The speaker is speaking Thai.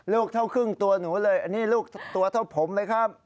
เท่าครึ่งตัวหนูเลยอันนี้ลูกตัวเท่าผมไหมครับ